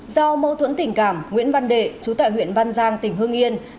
do mâu thuẫn tình cảm nguyễn văn đệ chú tại huyện văn giang tỉnh hương yên